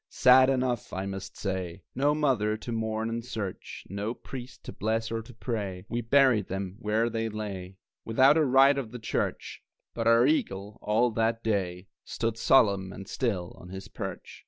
Sad enough, I must say. No mother to mourn and search, No priest to bless or to pray We buried them where they lay, Without a rite of the church But our eagle, all that day, Stood solemn and still on his perch.